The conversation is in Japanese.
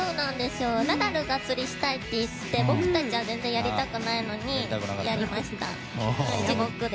ナダルが釣りしたいといって僕たちは全然やりたくないのにやりました。